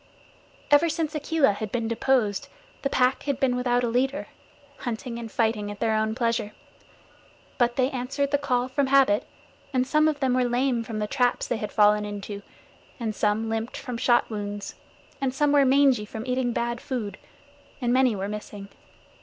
Ever since Akela had been deposed, the Pack had been without a leader, hunting and fighting at their own pleasure. But they answered the call from habit; and some of them were lame from the traps they had fallen into, and some limped from shot wounds, and some were mangy from eating bad food, and many were missing.